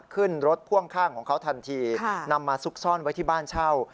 ขึ้นรถพ่วงข้างของเขาทันทีนำมาซุกซ่อนไว้ที่บ้านเช่า